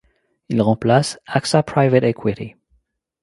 Il remplace Axa Private Equity.